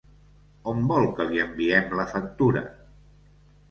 On vol que li enviem la factura?